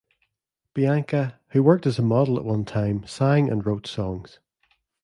Bianca, who worked as a model at one time, sang and wrote songs.